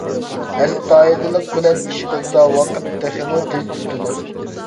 ئەستايىدىللىق بىلەن ئىش قىلسا، ۋاقىت تېخىمۇ تېز ئۆتىدۇ.